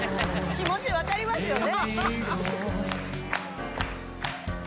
気持ち分かりますよね